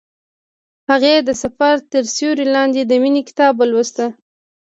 هغې د سفر تر سیوري لاندې د مینې کتاب ولوست.